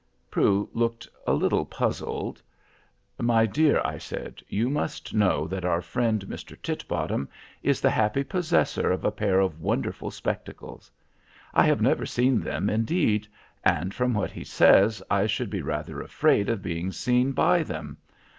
Prue looked a little puzzled. "My dear," I said, "you must know that our friend, Mr. Titbottom, is the happy possessor of a pair of wonderful spectacles. I have never seen them, indeed; and, from what he says, I should be rather afraid of being seen by them.